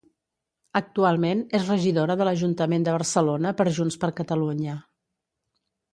Actualment és regidora de l'Ajuntament de Barcelona per Junts per Catalunya.